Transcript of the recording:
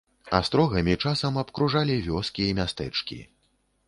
Астрогамі часам абкружалі вёскі і мястэчкі.